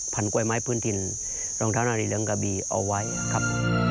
กล้วยไม้พื้นถิ่นรองเท้าหน้าสีเหลืองกะบีเอาไว้ครับ